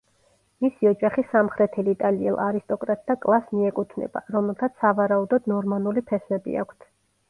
მისი ოჯახი სამხრეთელ იტალიელ არისტოკრატთა კლასს მიეკუთვნება, რომელთაც სავარაუდოდ ნორმანული ფესვები აქვთ.